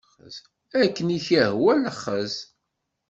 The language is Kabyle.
Akken i ak-yehwa lexxez.